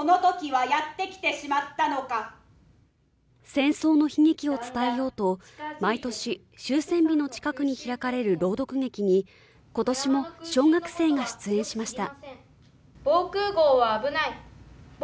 戦争の悲劇を伝えようと毎年終戦日の近くに開かれる朗読劇に今年も小学生が出演しました。